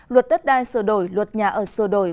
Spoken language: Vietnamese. luật đất đai sửa đổi luật nhà ở sửa đổi